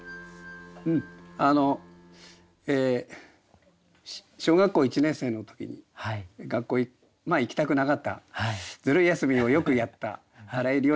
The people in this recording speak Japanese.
あの小学校１年生の時に学校まあ行きたくなかったずる休みをよくやった荒井良二君に。